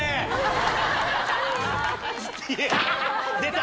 出た！